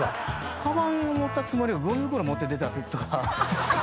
⁉かばんを持ったつもりがごみ袋持って出たとか。